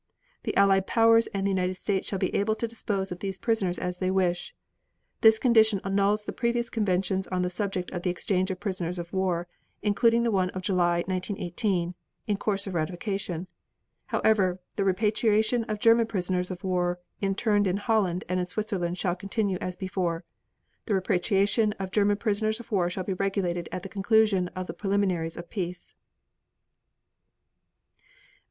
The Allied Powers and the United States shall be able to dispose of these prisoners as they wish. This condition annuls the previous conventions on the subject of the exchange of prisoners of war, including the one of July, 1918, in course of ratification. However, the repatriation of German prisoners of war interned in Holland and in Switzerland shall continue as before. The repatriation of German prisoners of war shall be regulated at the conclusion of the preliminaries of peace.